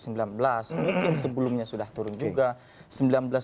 mungkin sebelumnya sudah turun juga